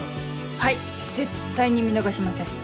はい絶対に見逃しません。